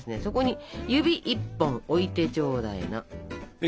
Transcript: そこに指１本置いてちょうだいな。